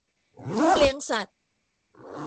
ทุ่งเลี้ยงสัตว์